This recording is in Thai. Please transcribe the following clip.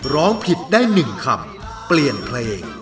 ร้องผิดได้๑คำเปลี่ยนเพลง